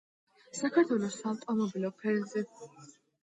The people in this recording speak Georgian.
საქართველოს საავტომობილო ფედერაციის ვიცე-პრეზიდენტი.